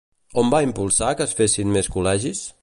On va impulsar que es fessin més col·legis?